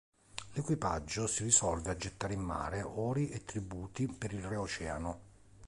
L'equipaggio si risolve a gettare in mare ori e tributi per il Re Oceano.